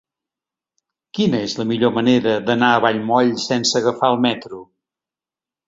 Quina és la millor manera d'anar a Vallmoll sense agafar el metro?